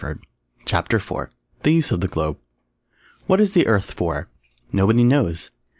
_ CHAPTER IV THE USE OF THE GLOBE What is the Earth for? Nobody knows.